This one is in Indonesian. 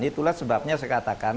itulah sebabnya saya katakan